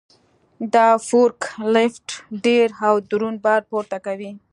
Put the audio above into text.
دا فورک لیفټ ډېر او دروند بار پورته کوي.